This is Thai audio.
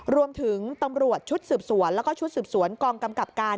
ตำรวจชุดสืบสวนแล้วก็ชุดสืบสวนกองกำกับการ